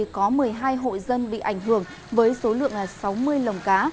có một mươi hai hộ dân bị ảnh hưởng với số lượng sáu mươi lồng cá